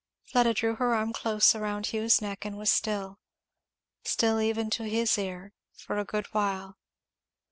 Fleda drew her arm close around Hugh's neck and was still, still even to his ear, for a good while.